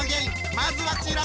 まずはこちら！